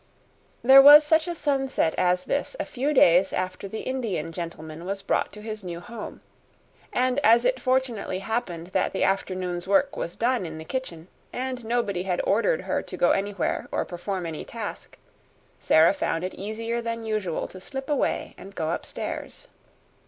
There was such a sunset as this a few days after the Indian gentleman was brought to his new home; and, as it fortunately happened that the afternoon's work was done in the kitchen and nobody had ordered her to go anywhere or perform any task, Sara found it easier than usual to slip away and go upstairs.